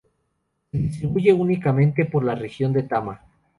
Se distribuye únicamente por la región de Tama.